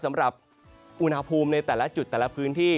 สำหรับอุณหภูมิในแต่ละจุดแต่ละพื้นที่